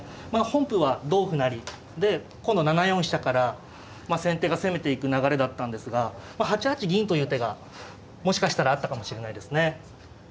本譜は同歩成で今度７四飛車から先手が攻めていく流れだったんですが８八銀という手がもしかしたらあったかもしれないですね。